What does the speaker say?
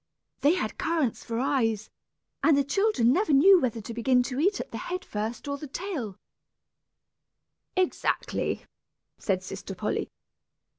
They had currants for eyes, and the children never knew whether to begin to eat at the head first or the tail " "Exactly," said sister Polly.